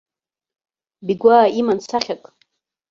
Бигәаа иман сахьак.